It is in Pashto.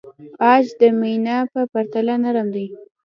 عاج د مینا په پرتله نرم دی.